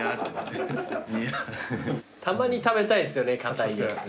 たまに食べたいですよね硬いやつ。